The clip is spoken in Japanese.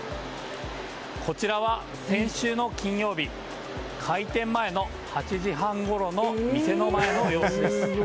こちらは、先週の金曜日開店前の８時半ごろの店の前の様子です。